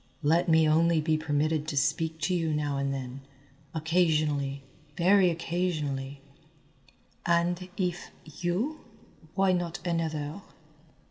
"Let me only be permitted to speak to you now and then, occasionally very occasionally." "And if you, why not another?"